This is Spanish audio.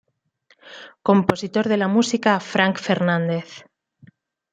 Compositor de la música: Frank Fernández.